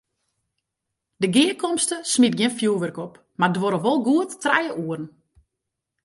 De gearkomste smiet gjin fjoerwurk op, mar duorre wol goed trije oeren.